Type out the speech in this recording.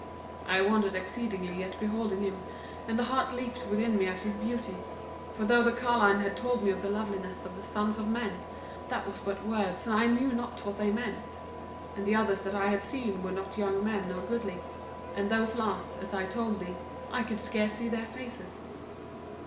I wondered exceedingly at beholding him and the heart leaped within me at his beauty; for though the carline had told me of the loveliness of the sons of men, that was but words and I knew not what they meant; and the others that I had seen were not young men or goodly, and those last, as I told thee, I could scarce see their faces.